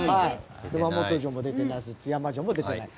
熊本城も出てないし津山城も出てない。